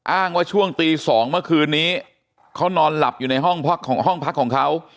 อ้างว่าช่วงตี๒เมื่อคืนนี้เขานอนหลับอยู่ในห้องของห้องพักของเขา